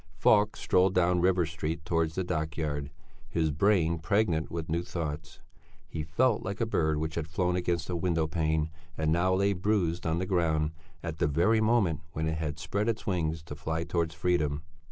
Falk strolled down River Street towards the dockyard, his brain pregnant with new thoughts. He felt like a bird which had flown against a window pane and now lay bruised on the ground at the very moment when it had spread its wings to fly towards freedom.